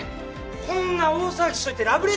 こんな大騒ぎしといてラブレターかよ！？